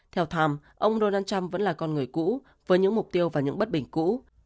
theo tham ông donald trump vẫn là con người cũ với những mục tiêu và những bất bình cũ